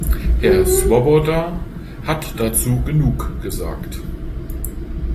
Herr Swoboda hat dazu genug gesagt.